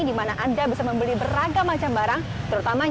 di mana anda bisa membeli beragam macam barang terutama